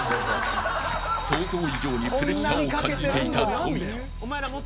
想像以上にプレッシャーを感じていた富田。